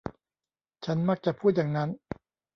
ฉันมักจะพูดอย่างนั้น